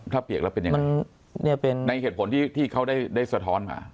ถ้าเปียกแล้วเป็นยังไงนี่เป็นในเหตุผลที่ที่เขาได้ได้สะท้อนมา